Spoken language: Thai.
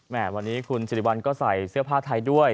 วันนี้คุณสิริวัลก็ใส่เสื้อผ้าไทยด้วย